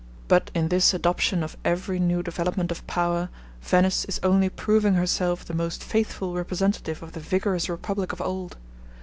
But in this adoption of every new development of power, Venice is only proving herself the most faithful representative of the vigorous republic of old.